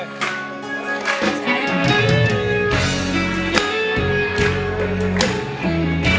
เฮ้อโอ้ย